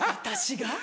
私が？